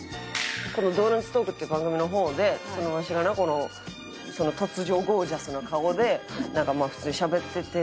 この『ドーナツトーク』っていう番組の方でワシがなこの突如ゴージャスな顔でなんかまあ普通にしゃべってて。